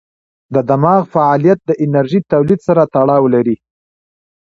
د دماغ فعالیت د انرژۍ تولید سره تړاو لري.